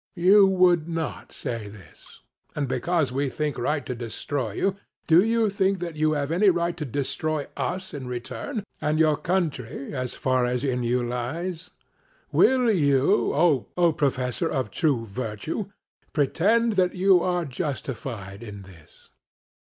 you would not say this? And because we think right to destroy you, do you think that you have any right to destroy us in return, and your country as far as in you lies? Will you, O professor of true virtue, pretend that you are justified in this?